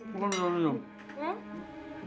bukan dia minum